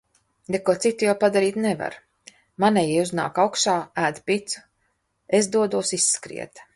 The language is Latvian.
Neko citu jau padarīt nevar. Manējie uznāk augšā, ēd picu. Es dodos izskriet.